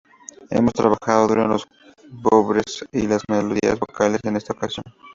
Hemos trabajado duro en los grooves y las melodías vocales en esta ocasión.".